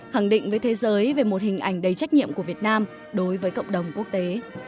khẳng định với thế giới về một hình ảnh đầy trách nhiệm của việt nam đối với cộng đồng quốc tế